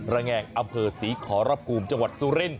ระแง่งอเภอศรีขอรับกลุ่มจังหวัดสุรินทร์